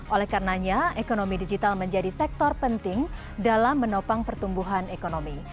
oleh karenanya ekonomi digital menjadi sektor penting dalam menopang pertumbuhan ekonomi